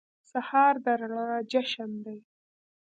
سهار د رڼا جشن دی.